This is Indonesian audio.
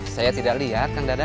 saya tidak lihat kan dadah